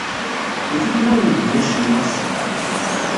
Yif-it ma ur ngi acemma ass-a.